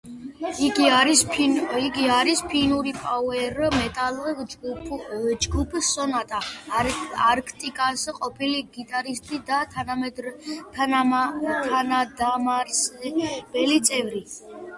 იგი არის ფინური პაუერ მეტალ ჯგუფ სონატა არქტიკას ყოფილი გიტარისტი და თანადამაარსებელი წევრი.